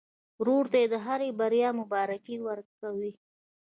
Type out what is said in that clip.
ورور ته د هرې بریا مبارکي ورکوې.